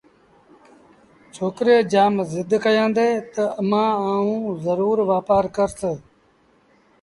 ڇوڪري جآم زد ڪيآݩدي تا امآݩ آئوݩ زرور وآپآر ڪرس